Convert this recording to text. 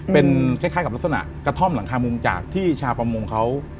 เป็นคล้ายกับลักษณะกระท่อมหลังคามุมจากที่ชาวประมงเขา